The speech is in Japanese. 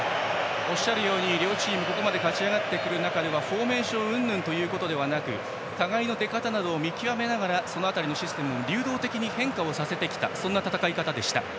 おっしゃるように両チーム、ここまで勝ち上がるまではフォーメーションうんぬんということではなく互いの出方を見極めながらその辺りのシステムを流動的に変化させてきたそんな戦い方でした。